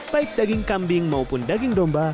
baik daging kambing maupun daging domba